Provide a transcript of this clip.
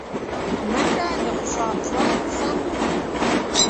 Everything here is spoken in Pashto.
منډه د خوشحال ژوند سمبول دی